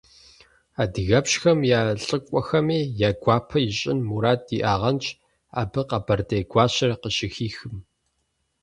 Адыгэпщхэм я лӀыкӀуэхэми я гуапэ ищӀын мурад иӀагъэнщ абы къэбэрдей гуащэр къыщыхихым.